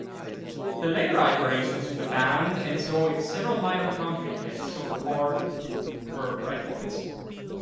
The later iterations of the band enjoyed several minor country hits on Curb Records.